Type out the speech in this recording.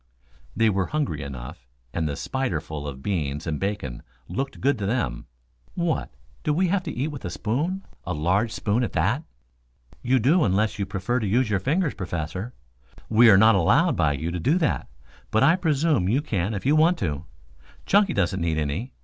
They were hungry enough, and the spiderful of beans and bacon looked good to them. "What, do we have to eat with a spoon a large spoon, at that?" "You do, unless you prefer to use your fingers, Professor. We are not allowed by you to do that, but I presume you can if you want to. Chunky doesn't need any.